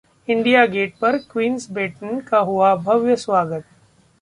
India Gate पर queen's baton का हुआ भव्य स्वागत